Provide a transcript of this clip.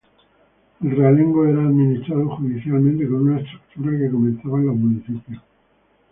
El realengo era administrado judicialmente con una estructura que comenzaba en los municipios.